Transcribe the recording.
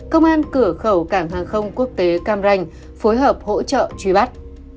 công an cửa khẩu cảng hàng không quốc tế cam ranh phối hợp hỗ trợ truy bắt